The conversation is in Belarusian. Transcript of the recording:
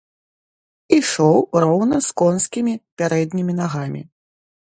Ішоў роўна з конскімі пярэднімі нагамі.